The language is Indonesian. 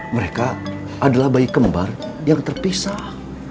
mereka adalah bayi kembar yang terpisah